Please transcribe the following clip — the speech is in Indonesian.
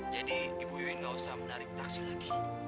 jadi ibu iwin tidak usah menarik taksi lagi